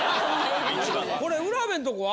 これ卜部んとこは？